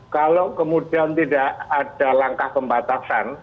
kalau kemudian tidak ada langkah pembatasan